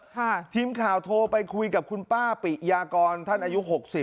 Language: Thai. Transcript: ค่ะทีมข่าวโทรไปคุยกับคุณป่าปริยากรท่านอายุหกสิบนะครับ